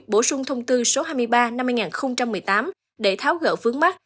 bổ sung thông tư số hai mươi ba năm mươi một mươi tám để tháo gỡ phướng mắt